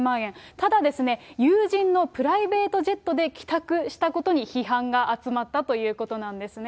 ただですね、友人のプライベートジェットで帰宅したことに批判が集まったということなんですね。